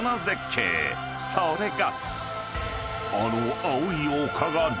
［それが］